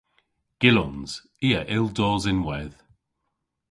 Gyllons. I a yll dos ynwedh.